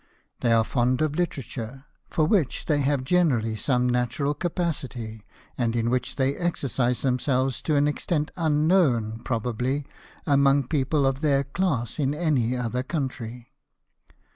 They are fond of literature, for which they have generally some natural capacity, and in which they exer cise themselves to an extent unknown, pro bably, among people of their class in any other country.